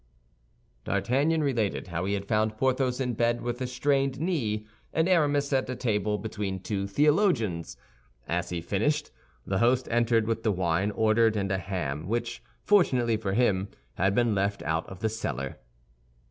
D'Artagnan related how he had found Porthos in bed with a strained knee, and Aramis at a table between two theologians. As he finished, the host entered with the wine ordered and a ham which, fortunately for him, had been left out of the cellar.